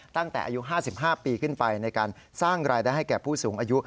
ตั้งแต่อายุ๕๕ปีขึ้นไปในการสร้างรายได้ให้แก่ผู้สูงอายุ